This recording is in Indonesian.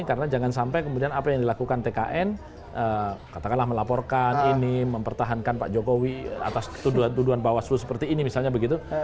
karena jangan sampai kemudian apa yang dilakukan tkn katakanlah melaporkan ini mempertahankan pak jokowi atas tuduhan bawah seluruh seperti ini misalnya begitu